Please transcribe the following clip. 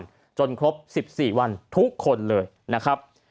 จนครบ๑๔วันทุกคนเลยนะครับ